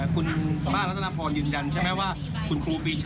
ครูปิชาก็เห็นเลขด้วยว่าครูปิชาได้เลขจากมือเรามีไปแล้วเป็นเกียรติสาวโหย